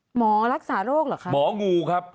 หมอรักษาโรคเหรอคะหมองูครับ